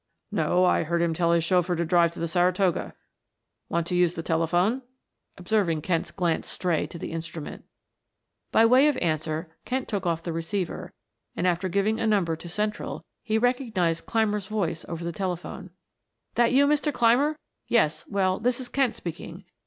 "No, I heard him tell his chauffeur to drive to the Saratoga. Want to use the telephone?" observing Kent's glance stray to the instrument. By way of answer Kent took off the receiver and after giving a number to Central, he recognized Clymer's voice over the telephone. "That you, Mr. Clymer? Yes, well, this is Kent speaking.